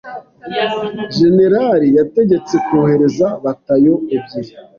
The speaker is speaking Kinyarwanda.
Jenerali yategetse kohereza batayo ebyiri.